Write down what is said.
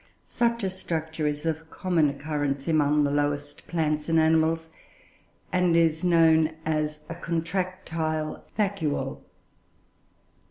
Such a structure is of common occurrence among the lowest plants and animals, and is known as a contractile vacuole.